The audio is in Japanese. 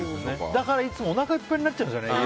だから、いつもおなかいっぱいになっちゃうんですよね。